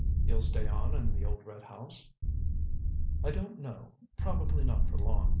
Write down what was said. "You'll stay on in the old red house?" "I don't know; probably not for long.